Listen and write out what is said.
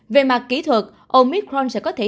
về mặt kỹ thuật omicron sẽ có thể